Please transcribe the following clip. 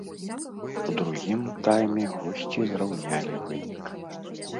У другім тайме госці зраўнялі вынік.